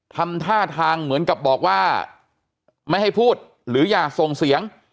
ทำท่าทางเหมือนกับบอกว่าไม่ให้พูดหรืออย่าส่งเสียง